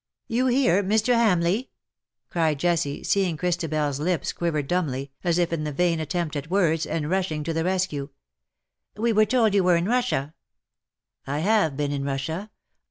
" You here, Mr. Hamleigh V cried Jessie, seeing Christabers lips quiver dumbly, as if in the vain attempt at words, and rushing to the rescue. ^^ We were told you w^ere in Russia/'' " I have been in Russia.